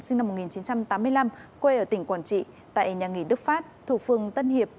sinh năm một nghìn chín trăm tám mươi năm quê ở tỉnh quảng trị tại nhà nghỉ đức phát thuộc phường tân hiệp